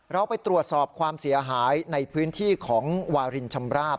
เราไปตรวจสอบความเสียหายในพื้นที่ของวารินชำราบ